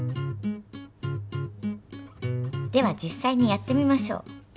では実さいにやってみましょう。